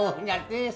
oh oh nyaris